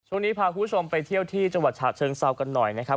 ช่วงนี้พาคุณผู้ชมไปเที่ยวที่จังหวัดฉะเชิงเซากันหน่อยนะครับ